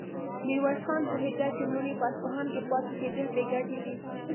ميرويس خان پوهېده چې نور يې په اصفهان کې پاتې کېدل بې ګټې دي.